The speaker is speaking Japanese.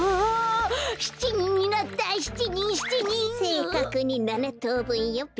せいかくに７とうぶんよべ。